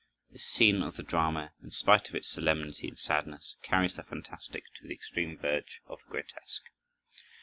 This scene of the drama, in spite of its solemnity and sadness, carries the fantastic to the extreme verge of the grotesque.